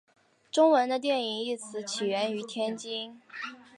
中文的电影一词起源于天津。